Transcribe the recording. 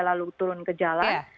lalu turun ke jalan